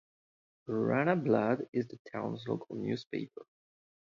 Rana Blad is the town's local newspaper.